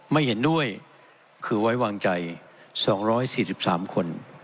ไม่เห็นด้วยคือไว้วางใจ๒๔๓คน